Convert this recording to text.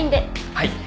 はい。